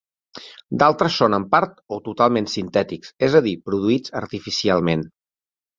D'altres són en part o totalment sintètics, és a dir, produïts artificialment.